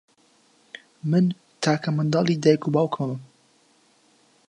من تاکە منداڵی دایک و باوکمم.